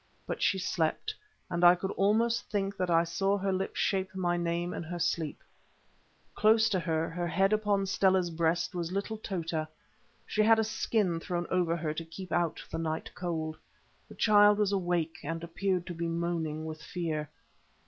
But she slept, and I could almost think that I saw her lips shape my name in her sleep. Close to her, her head upon Stella's breast, was little Tota; she had a skin thrown over her to keep out the night cold. The child was awake, and appeared to be moaning with fear.